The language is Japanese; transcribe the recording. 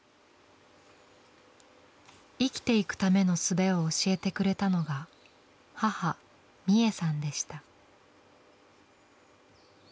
生きていくためのすべを教えてくれたのが母ミエさんでした。